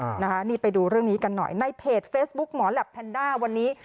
นะคะนี่ไปดูเรื่องนี้กันหน่อยในเพจเฟซบุ๊คหมอแหลปแพนด้าวันนี้